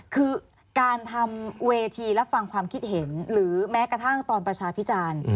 คือการทำเวทีรับฟังความคิดเห็นหรือแม้กระทั่งตอนประชาพิจารณ์